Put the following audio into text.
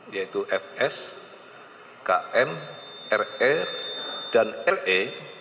yaitu fs km re dan le